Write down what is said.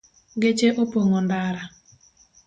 Geche opong’o ndara